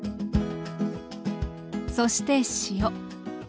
そして塩。